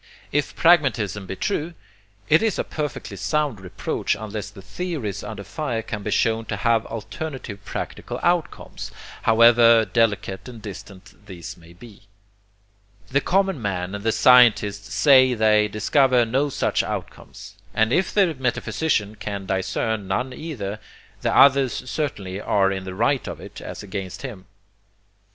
If pragmatism be true, it is a perfectly sound reproach unless the theories under fire can be shown to have alternative practical outcomes, however delicate and distant these may be. The common man and the scientist say they discover no such outcomes, and if the metaphysician can discern none either, the others certainly are in the right of it, as against him.